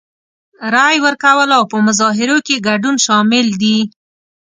رای ورکول او په مظاهرو کې ګډون شامل دي.